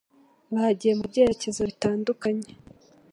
Bagiye mu byerekezo bitandukanye